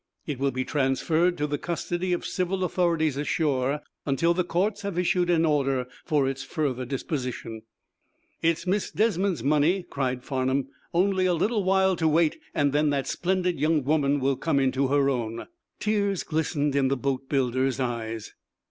It will be transferred to the custody of civil authorities ashore until the courts have issued an order for its further disposition." "It's Miss Desmond's money," cried Farnum. "Only a little while to wait, and then that splendid young woman will come into her own." Tears glistened in the boatbuilder's eyes.